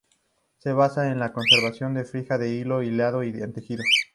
Se basa en la conversión de fibra en hilo, hilado en tejido.